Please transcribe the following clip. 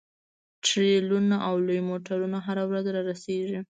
ټریلرونه او لوی موټرونه هره ورځ رارسیږي